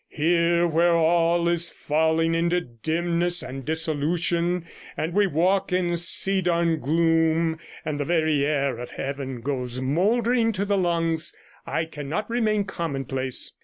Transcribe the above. Here, where all is falling into dimness and dissolution, and we walk in cedarn gloom, and the very air of heaven goes mouldering to the lungs, I cannot remain commonplace.